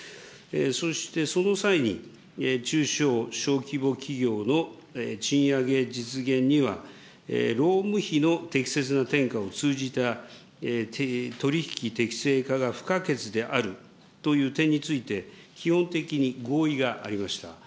そしてその際に、中小・小規模企業の賃上げ実現には、労務費の適切な転嫁を通じた取り引き適正化が不可欠であるという点について、基本的に合意がありました。